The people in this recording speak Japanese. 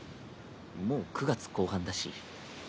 もう９月後半だし。